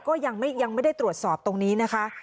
ก็ยังไม่ได้ตรวจสอบตรงนี้นะคะ